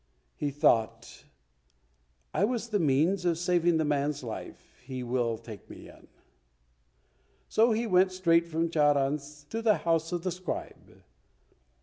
He thought, "I was the means of saving the man's life, he will take me in;" so he went straight from Charan's to the house of the scribe.